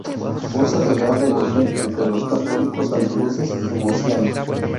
Goza de gran devoción entre los católicos andaluces y murcianos.